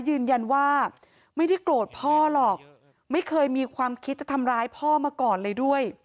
ยืนยันว่าไม่ได้โกรธพ่อหรอกไม่เคยมีความคิดจะทำร้ายพ่อมาก่อนเลยด้วย